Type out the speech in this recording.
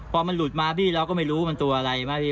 พอมันหลุดมาพี่เราก็ไม่รู้มันตัวอะไรไหมพี่